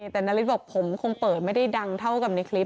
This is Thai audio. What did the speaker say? แต่นาริสบอกผมคงเปิดไม่ได้ดังเท่ากับในคลิป